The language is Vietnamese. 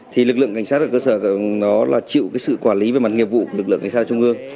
thì lực lượng cảnh sát ở cơ sở là chịu sự quản lý về mặt nghiệp vụ của lực lượng cảnh sát ở trung ương